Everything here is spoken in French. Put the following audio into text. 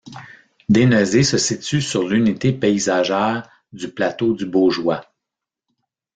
Dénezé se situe sur l'unité paysagère du Plateau du Baugeois.